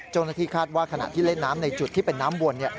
เจ้าหน้าที่คาดว่าขณะที่เล่นน้ำในจุดที่เป็นน้ำวน